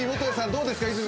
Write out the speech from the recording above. どうですか？